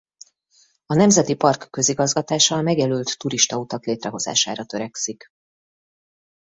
A nemzeti park közigazgatása a megjelölt turistautak létrehozására törekszik.